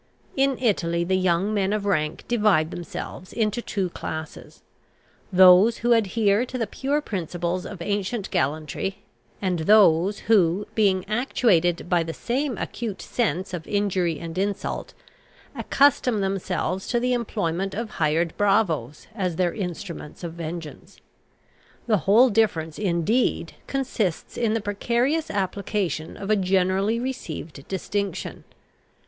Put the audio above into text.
In Italy, the young men of rank divide themselves into two classes, those who adhere to the pure principles of ancient gallantry, and those who, being actuated by the same acute sense of injury and insult, accustom themselves to the employment of hired bravoes as their instruments of vengeance. The whole difference, indeed, consists in the precarious application of a generally received distinction.